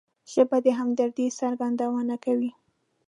ژبه د همدردۍ څرګندونه کوي